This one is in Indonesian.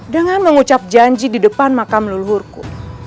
dengan mengucap janji di depan makam leluhurku